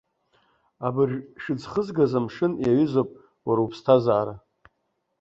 Абыржә шәыӡхызгаз амшын иаҩызоуп уара уԥсҭазаара.